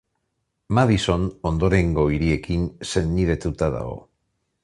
Madison ondorengo hiriekin senidetuta dago.